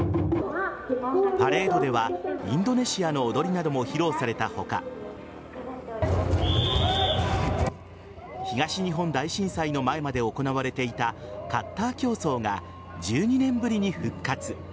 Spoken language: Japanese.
パレードではインドネシアの踊りなども披露された他東日本大震災の前まで行われていたカッター競漕が１２年ぶりに復活。